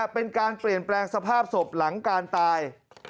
เป็นการเปลี่ยนแปลงสภาพศพหลังการตาย